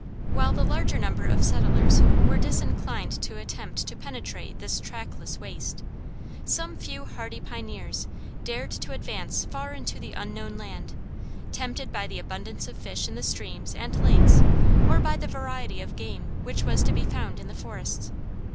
While the larger number of settlers were disinclined to attempt to penetrate this trackless waste, some few hardy pioneers dared to advance far into the unknown land, tempted by the abundance of fish in the streams and lakes or by the variety of game which was to be found in the forests.